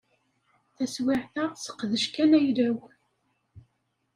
Taswiɛt-a sseqdec kan ayla-w.